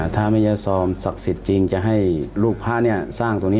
ถ้าแม่ย่าซอมศักดิ์สิทธิ์จริงจะให้ลูกพระสร้างตรงนี้